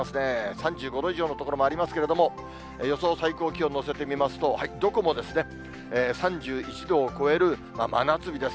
３５度以上の所もありますけれども、予想最高気温を載せてみますと、どこも３１度を超える真夏日です。